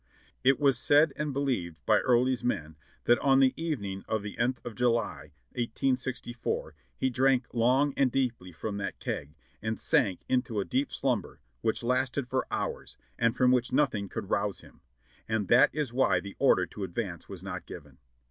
It was said and beheved by Early's men that on the evening of the nth of July, 1864, he drank long and deeply from that keg, and sank into a deep slumber which lasted for hours, and from which nothing could rouse him ; and that is why the order to advance was not given.